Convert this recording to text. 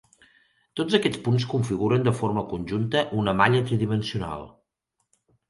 Tots aquests punts configuren de forma conjunta una malla tridimensional.